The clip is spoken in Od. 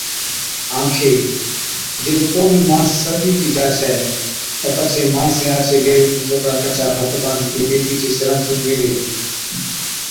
آنکي، جِڏ ڪو بِي ماڻس سرگِي ھُتِي جا ڇَي تہ پڇي ماڻسين آڇي ليوي ۾ ٿوڪڙا ڪچا ڀت ٻانڌتِي ميٿي چي سِرھانٿِيون ميھلي ھِتين